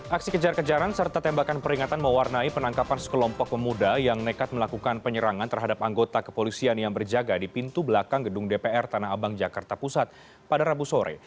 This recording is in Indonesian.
aksi kejar kejaran serta tembakan peringatan mewarnai penangkapan sekelompok pemuda yang nekat melakukan penyerangan terhadap anggota kepolisian yang berjaga di pintu belakang gedung dpr tanah abang jakarta pusat pada rabu sore